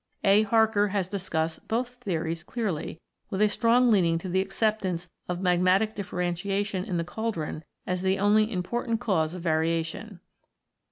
A. Harker(so) has discussed both theories clearly, with a strong leaning to the acceptance of magmatic differen tiation in the cauldron as the only important cause of variation.